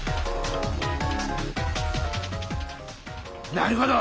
なるほど！